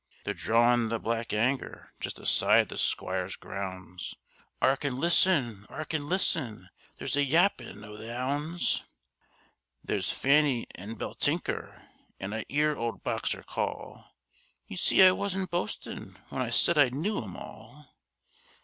They're drawin' the black 'anger, just aside the Squire's grounds. 'Ark and listen! 'Ark and listen! There's the yappin' of the 'ounds: There's Fanny and Beltinker, and I 'ear old Boxer call; You see I wasn't boastin' when I said I knew 'em all.